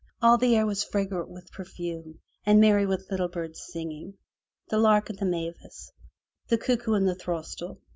All the air was fragrant with perfume, and merry with little birds' singing — the lark and the mavis, the cuckoo and throstle.